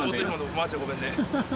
まーちゃんごめんね。